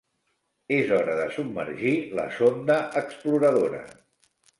És hora de submergir la sonda exploradora.